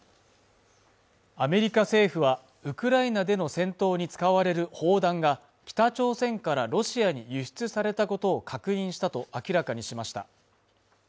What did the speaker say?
アメリカ政府はウクライナでの戦闘に使われる砲弾が北朝鮮からロシアに輸出されたことを確認したと明らかにしました